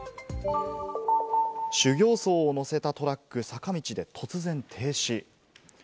修行僧を乗せたトラック、坂道で突然停止。